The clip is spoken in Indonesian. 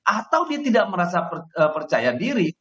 atau dia tidak merasa percaya diri